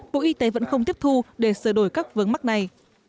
bộ y tế vẫn không tiếp thu để sửa đổi các vướng mắc này